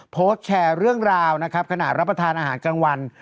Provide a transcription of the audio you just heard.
โพสต์แชร์เรื่องราวนะครับขณะรับประทานอาหารกลางวัน